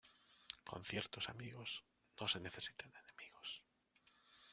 Con ciertos amigos, no se necesitan enemigos.